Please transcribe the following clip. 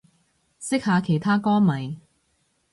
識下其他歌迷